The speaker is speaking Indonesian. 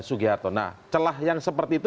sugiharto nah celah yang seperti itu